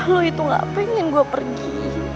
lu itu gak pengen gue pergi